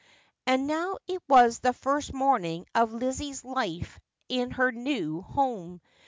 And now it was the first morning of Lizzie's life in her new home.